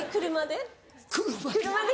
車で？